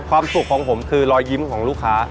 ความสุขของผมคือรอยยิ้มของลูกค้า